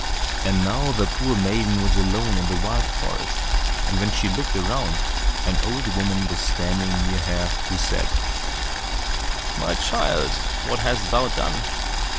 And now the poor maiden was alone in the wild forest, and when she looked around, an old woman was standing near her who said, "My child, what hast thou done?